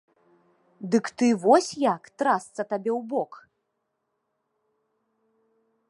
Дык ты вось як, трасца табе ў бок!